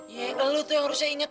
ya lo tuh yang harusnya ingat